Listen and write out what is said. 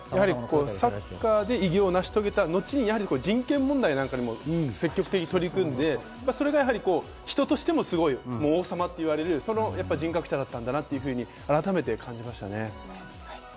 サッカーで偉業を成し遂げた後に人権問題などにも積極的に取り組んで、人としてもすごい王様といわれる人格者だったんだなというふうに改めて感じましたね。